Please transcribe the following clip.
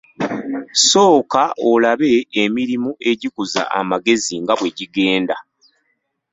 Sooka olabe emirimu egikuza amagezi nga bwe gigenda